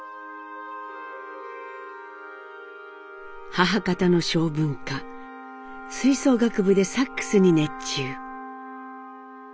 母方の性分か吹奏楽部でサックスに熱中。